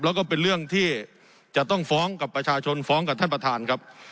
แล้วก็เป็นเรื่องที่จะต้องฟ้องกับประชาชนฟ้องกับท่านประธานครับ